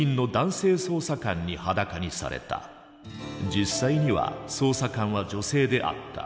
実際には捜査官は女性であった。